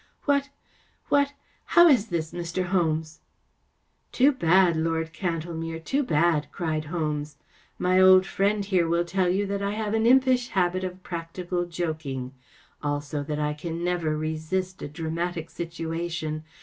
" What! What 1 How is this, Mr. Holmes ?"" Too bad, Lord Cantlemere, too bad !" cried Holmes. " My old friend here will tell you that I have an impish habit of practical joking. Also that I can never resist a dramatic situation.